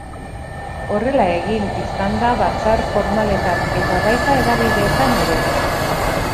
Horrela egin izan da batzar formaletan eta baita hedabideetan ere.